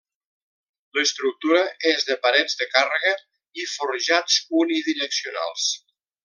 L'estructura és de partes de càrrega i forjats unidireccionals.